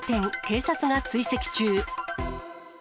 警察が追跡中。